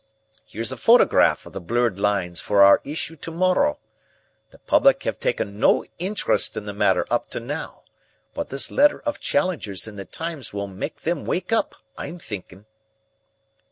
Here's a photograph of the blurred lines for our issue to morrow. The public have taken no interest in the matter up to now, but this letter of Challenger's in the Times will make them wake up, I'm thinking."